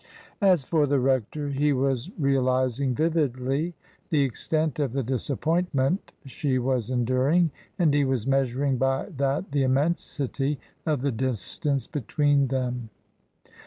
As 48 TRANSITION. for the rector, he was realizing vividly the extent of the disappointment she was enduring ; and he was measuring by that the immensity of the distance between them.